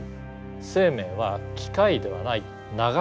生命は機械ではない流れだ。